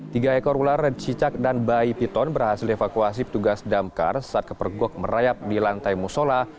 tiga ekor ular cicak dan bayi piton berhasil dievakuasi petugas damkar saat kepergok merayap di lantai musola